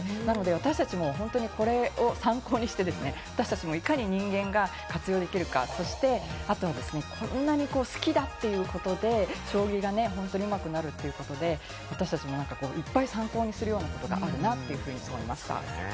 私達もこれを参考にして、私達もいかに人間が活用できるか、そしてこんなに好きだっていうことで、将棋がうまくなるということで、私達もいっぱい参考にするようなことがあるなって思いました。